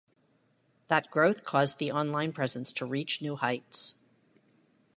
That growth caused the online presence to reach new heights.